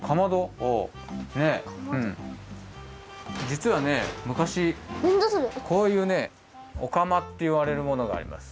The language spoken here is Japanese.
じつはね昔こういうねおかまっていわれるものがあります。